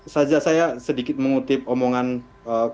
saja saya sedikit mengutip omongan kak polri